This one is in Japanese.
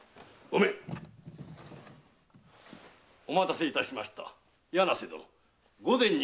お待たせいたしました柳瀬殿。